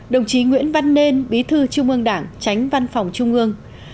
đồng chí nguyễn văn nên bí thư trung ương đảng tránh văn phòng trung ương